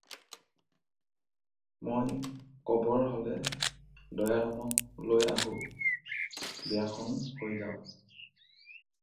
মই ক'বৰ হ'লে দয়াৰামক লৈ আহোঁ, বিয়াখন হৈ যাওক।